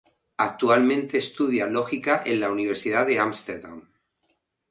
Actualmente estudia lógica en la Universidad de Ámsterdam.